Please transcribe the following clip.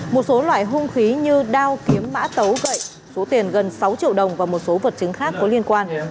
một số loại hung khí như đao kiếm mã tấu gậy số tiền gần sáu triệu đồng và một số vật chứng khác có liên quan